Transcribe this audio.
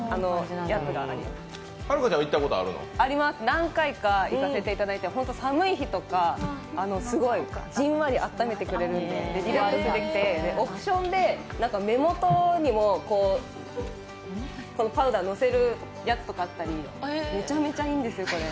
何回行かせていただいて本当寒い日とか、すごいじんわり暖めてくれるんでリラックスできて、オプションで目元にもパウダーのせるやつとかあったりめちゃめちゃいいんですよ、これ。